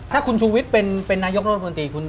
ถ้าคุณชุวิดเป็นนายกโรงทะละภูมิตร